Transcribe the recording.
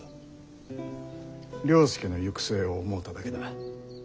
了助の行く末を思うただけだ。